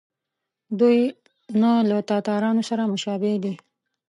دوی نه له تاتارانو سره مشابه دي.